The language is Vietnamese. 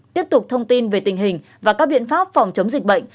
tiếp tục thông tin về tình hình và các biện pháp phòng chống dịch bệnh